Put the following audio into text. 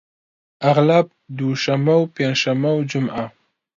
ئەغڵەب دووشەممە و پێنج شەممە و جومعە